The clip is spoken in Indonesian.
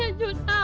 apa di sipan